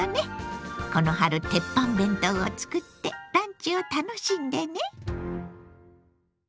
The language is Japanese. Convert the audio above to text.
この春テッパン弁当を作ってランチを楽しんでね！